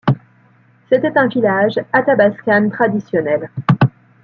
C'était un village Athabaskan traditionnel.